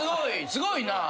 すごいなぁ。